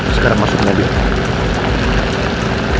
sekarang masukin aja